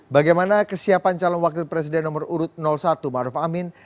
bagaimana kesiapan calon wakil presiden nomor urut satu ⁇ maruf ⁇ amin